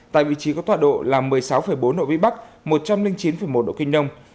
tại vị trí có tọa độ là một mươi sáu bốn độ vĩ bắc một trăm linh chín một độ kinh đông